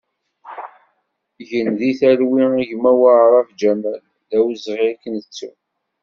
Gen di talwit a gma ƔUrab Ǧamal, d awezɣi ad k-nettu!